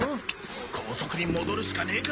高速に戻るしかねえか。